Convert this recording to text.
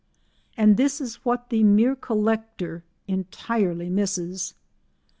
And this is what the mere collector entirely misses.